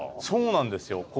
そうなんですよ。